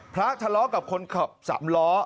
ทะเลาะกับคนขับสามล้อ